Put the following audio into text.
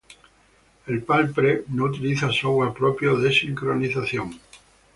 El Palm Pre no utiliza software propio de sincronización.